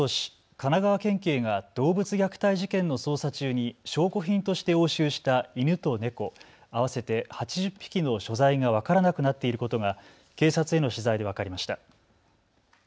神奈川県警が動物虐待事件の捜査中に証拠品として押収した犬と猫合わせて８０匹の所在が分からなくなっていることが警察への取材で分かりました。